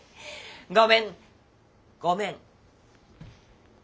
ごめんごめん。